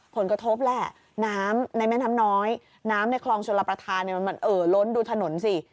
ผลกระทบแหละน้ำในแม่น้ำน้อยน้ำในคลองชลประธานมันเอ่อล้นดูถนนสิ